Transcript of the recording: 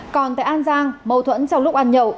còn tại an giang mâu thuẫn trong lúc ăn nhậu